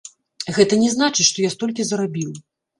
Гэта не значыць, што я столькі зарабіў.